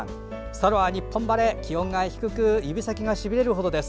空は日本晴れ、気温が低く指先がしびれるほどです。